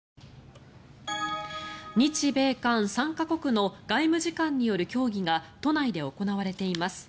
日米韓３か国の外務次官による協議が都内で行われています。